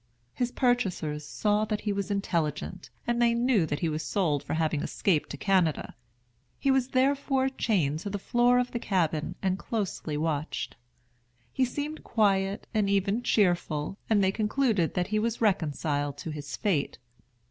His purchasers saw that he was intelligent, and they knew that he was sold for having escaped to Canada. He was therefore chained to the floor of the cabin and closely watched. He seemed quiet and even cheerful, and they concluded that he was reconciled to his fate.